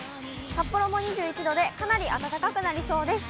札幌も２１度でかなり暖かくなりそうです。